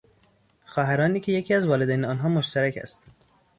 خواهرانی که یکی از والدین آنها مشترک است